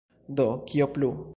Do, kio plu?